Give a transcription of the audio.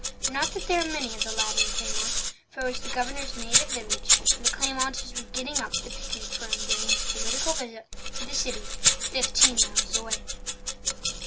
Not that there were many of the latter in Claymont, for it was the Governor's native village, and the Claymonters were getting up the picnic for him during his political visit to the city fifteen miles away.